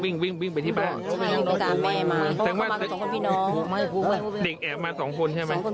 เด็กคนนึงไปตามแม่ไปบอกแม่ว่า